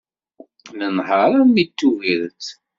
Nenheṛ armi d Tubiret.